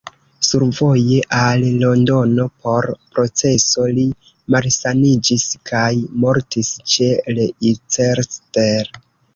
Survoje al Londono por proceso, li malsaniĝis kaj mortis ĉe Leicester.